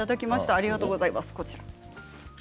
ありがとうございます。